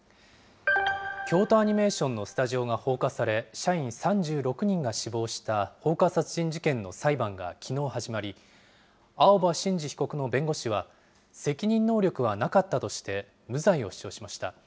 京都アニメーションのスタジオが放火され、社員３６人が死亡した放火殺人事件の裁判がきのう始まり、青葉真司被告の弁護士は、責任能力はなかったとして、無罪を主張しました。